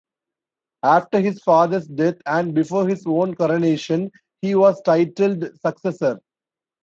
After his father's death and before his own coronation, he was titled "successor".